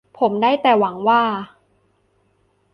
ผมได้แต่หวังว่า